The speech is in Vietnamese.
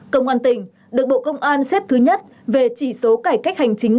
công an tỉnh được bộ công an xếp thứ nhất về chỉ số cải cách hành chính